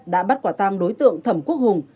đã bắt quả tang đối tượng thẩm quốc hùng